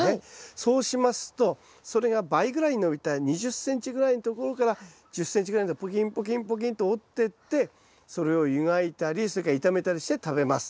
そうしますとそれが倍ぐらいに伸びた２０ｃｍぐらいのところから１０ｃｍぐらいのとこポキンポキンポキンと折ってってそれを湯がいたりそれから炒めたりして食べます。